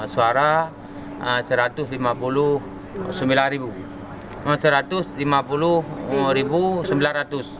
suara dpd ri berbentuk satu ratus lima puluh sembilan ratus